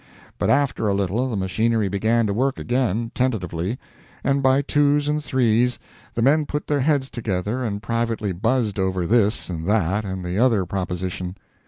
But after a little the machinery began to work again, tentatively, and by twos and threes the men put their heads together and privately buzzed over this and that and the other proposition.